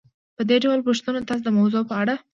په دې ډول پوښتنو تاسې د موضوع په اړه